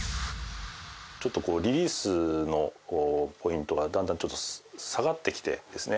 ちょっとこうリリースのポイントがだんだん下がってきてですね